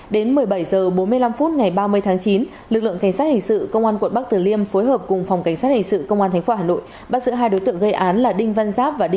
đến một mươi bảy giờ bốn mươi năm phút ngày ba mươi tháng chín lực lượng cảnh sát hình sự công an quận bắc tử liêm